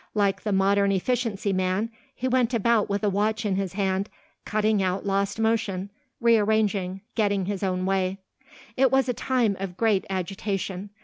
Like the modern efficiency man, he went about with a watch in his hand, cutting out lost motion, rearranging, getting his own way. It was a time of great agitation.